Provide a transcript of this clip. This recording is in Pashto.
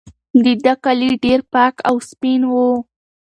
د ده کالي ډېر پاک او سپین وو.